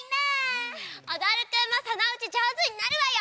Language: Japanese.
おどるくんもそのうちじょうずになるわよ！